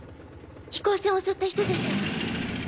飛行船を襲った人たちだわ。